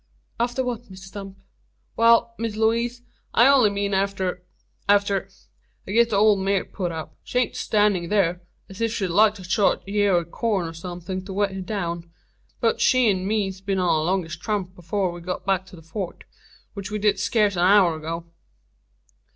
"After what, Mr Stump?" "Wal, Miss Lewaze, I only meened arter arter I git the ole mare put up. She air stannin' thur, as if she'd like to chaw a yeer o' corn, an somethin' to wet it down. Both she 'nd me's been on a longish tramp afore we got back to the Fort; which we did scace a hour ago."